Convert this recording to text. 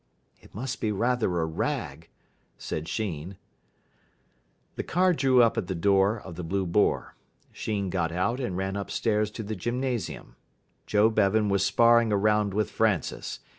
"It must be rather a rag," said Sheen. The car drew up at the door of the "Blue Boar". Sheen got out and ran upstairs to the gymnasium. Joe Bevan was sparring a round with Francis.